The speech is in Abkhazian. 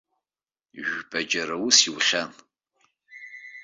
Жәпаџьара аус иухьан.